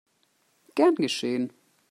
Gern geschehen!